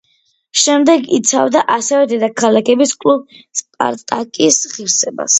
შემდეგ იცავდა ასევე დედაქალაქის კლუბ „სპარტაკის“ ღირსებას.